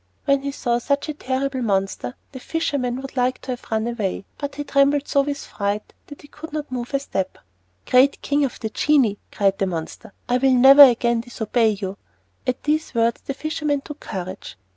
When he saw such a terrible looking monster, the fisherman would like to have run away, but he trembled so with fright that he could not move a step. "Great king of the genii," cried the monster, "I will never again disobey you!" At these words the fisherman took courage.